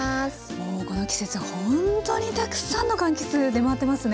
もうこの季節ほんっとにたくさんのかんきつ出回ってますね。